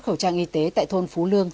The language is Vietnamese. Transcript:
khẩu trang y tế tại thôn phú lương